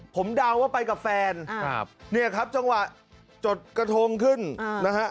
ผมเดาว่าไปกับแฟนครับเนี่ยครับจังหวะจดกระทงขึ้นนะฮะ